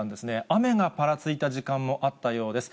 雨がぱらついた時間もあったようです。